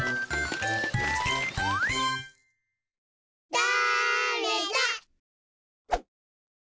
だれだ？